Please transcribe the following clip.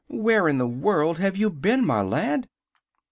"Where in the world have you been, my lad?"